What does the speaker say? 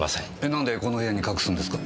なんでこの部屋に隠すんですか？